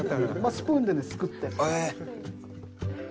スプーンですくって。